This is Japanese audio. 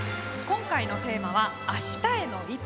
今回のテーマは「明日への一歩」。